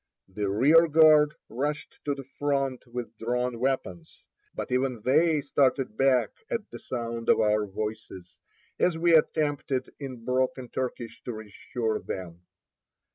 The rear guard rushed to the front with drawn weapons; but even they started back at the sound of our voices, as we attempted in broken Turkish to reassure them.